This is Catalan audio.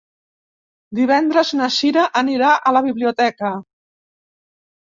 Divendres na Sira anirà a la biblioteca.